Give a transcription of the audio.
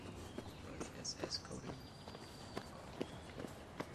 George S. S. Codington, Abgeordneter.